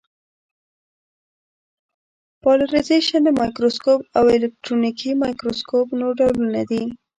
پالرېزېشن مایکروسکوپ او الکترونیکي مایکروسکوپ نور ډولونه دي.